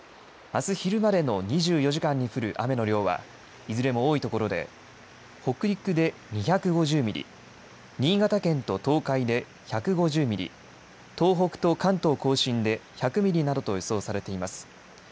あす昼までの２４時間に降る雨の量はいずれも多いところで北陸で２５０ミリ、新潟県と東海で１５０ミリ、東北と関東甲信で１００ミリなどと予想されています。